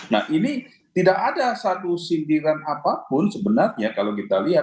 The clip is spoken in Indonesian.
nah ini tidak ada satu sindiran apapun sebenarnya kalau kita lihat